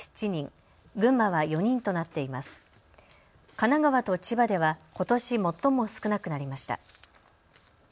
神奈川と千葉ではことし最も少なくなりました。